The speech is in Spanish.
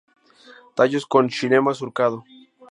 Tallos con xilema surcado.